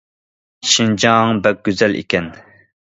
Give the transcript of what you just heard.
شىنجاڭ بەك گۈزەل ئىكەن.